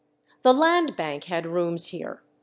The Land Bank had rooms here.